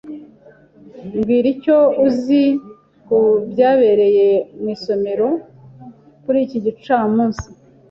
Mbwira icyo uzi ku byabereye mu isomero kuri iki gicamunsi.